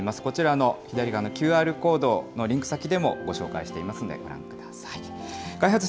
こちらの左側のＱＲコードのリンク先でもご紹介してますんで、ご覧ください。